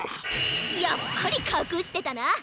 やっぱりかくしてたな！